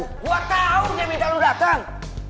gua tau dia minta lu dateng